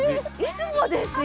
出雲ですよ。